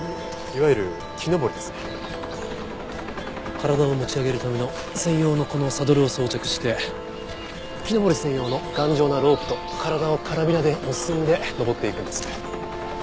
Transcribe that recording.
体を持ち上げるための専用のこのサドルを装着して木登り専用の頑丈なロープと体をカラビナで結んで登っていくんです。